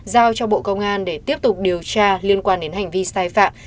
giao cho bộ công an để tiếp tục điều tra liên quan đến hành vi sai phạm